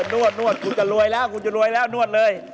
เออนวดกูจะรวยแล้วนวดเลย